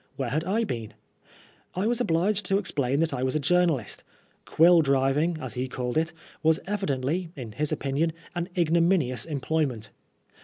Where had I been ? I was obliged to explain that I was a journalist. Quill driving, as he called it, was evidently, in his opinion, an igno minious employment.